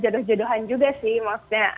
ya intinya jodohan juga maksudnya